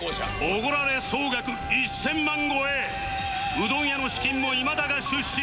うどん屋の資金も今田が出資